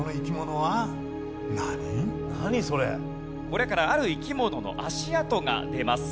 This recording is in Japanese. これからある生き物の足跡が出ます。